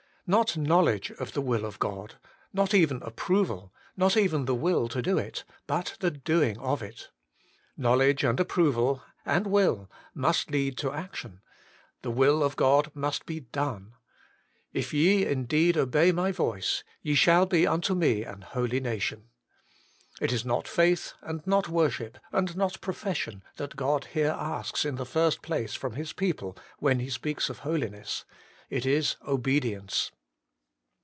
Not knowledge of the will of God, not even approval, not even the will to do it, but the doing of it. Knowledge, and approval, and will must lead to action ; the will of God must be done. E 66 HOLY IN CHRIST. ' If ye indeed obey my voice, ye shall be unto me an holy nation.' It is not faith, and not worship, and not profession, that God here asks in the first place from His people when He speaks of holiness ; it is obedience.